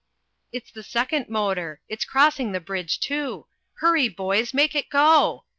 It's the second motor it's crossing the bridge too hurry, boys, make it go!